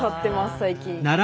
最近。